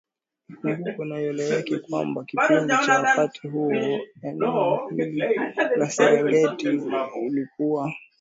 Ikumbukwe na ieleweke ya kwamba kipindi cha wakati huo eneo hili la Serengeti ilikuwa